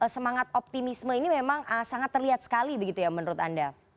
semangat optimisme ini memang sangat terlihat sekali begitu ya menurut anda